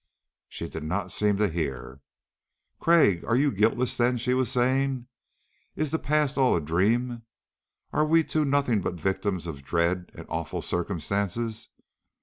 She did not seem to hear. "Craik, are you guiltless, then?" she was saying. "Is the past all a dream! Are we two nothing but victims of dread and awful circumstances?